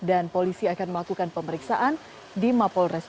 dan polisi akan melakukan pemeriksaan di mapol residen